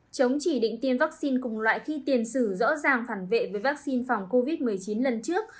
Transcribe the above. chống chỉ định tiêm vaccine cùng loại khi tiền sử rõ ràng phản vệ với vaccine phòng covid một mươi chín lần trước